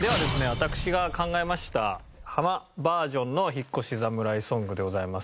私が考えましたハマバージョンの引越し侍ソングでございます。